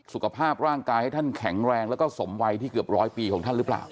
สุขภาพร่างกายให้ท่านแข็งแรงแล้วก็สมวัยที่เกือบร้อยปีของท่านหรือเปล่า